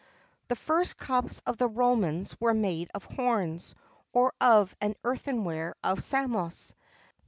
[XXVII 19] The first cups of the Romans were made of horns, or of the earthenware of Samos.